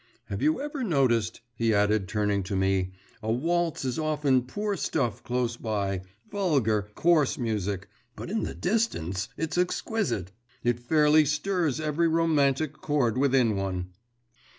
Have you ever noticed,' he added, turning to me, 'a waltz is often poor stuff close by vulgar, coarse music but in the distance, it's exquisite! it fairly stirs every romantic chord within one.